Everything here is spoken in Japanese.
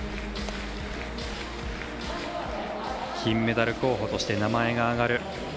金メダル候補として名前が挙がる